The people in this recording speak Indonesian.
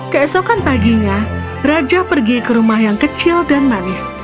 keesokan paginya raja pergi ke rumah yang kecil dan manis